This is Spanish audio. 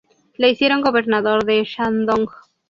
Le hicieron gobernador de Shandong.